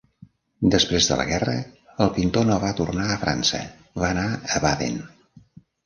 Després de la guerra, el pintor no va tornar a França, va anar a Baden.